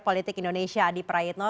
politik indonesia adi praetno